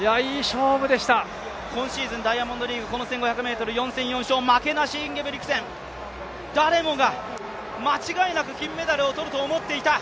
今シーズン、ダイヤモンドリーグ、この１５００ｍ、４戦４勝、負けなしインゲブリクセン誰もが間違いなく金メダルを取ると思っていた。